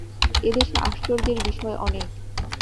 এ দেশে আশ্চর্যের বিষয় অনেক।